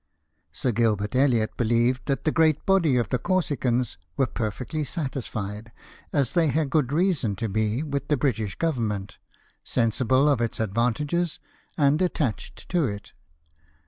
Sir Gilbert EUiot beheved that the great body of the Corsicans were perfectly satisfied, as they had good reason to be, with the British Government, sensible of its advantages and EVACUATION OF CORSICA. 99 attached to it.